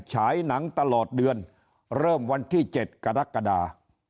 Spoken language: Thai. ฉายหนังตลอดเดือนเริ่มวันที่๗กรกฎา